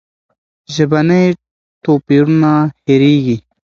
ژبني توپیرونه هېرېږي.